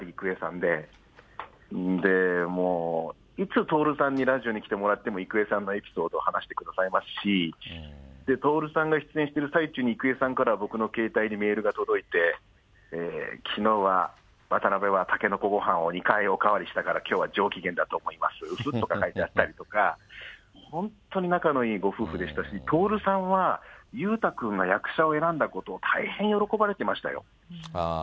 で、もう、いつ徹さんにラジオに来てもらっても郁恵さんのエピソードを話してくださいますし、徹さんが出演している最中に郁恵さんから僕の携帯にメールが届いて、きのうは渡辺はたけのこごはんを２回お代わりしたからきょうは上機嫌だと思います、うふとか書いてあったりとか、本当に仲のいいご夫婦でしたし、徹さんは、裕太君が役者を選んだことを大変喜ばれてましたよ。